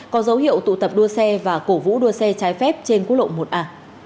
có dấu hiệu tụ tập đua xe và cổ vũ đua xe trái phép trên quốc lộ một a